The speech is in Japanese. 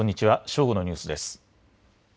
正午のニュースです。